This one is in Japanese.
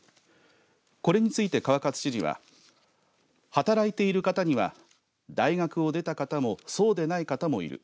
これについて川勝知事は働いている方には大学を出た方もそうでない方もいる。